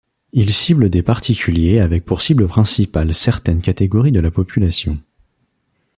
Il cible des particuliers avec pour cible principale certaines catégories de la population.